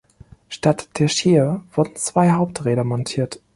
Statt der Skier wurden zwei Haupträder montiert.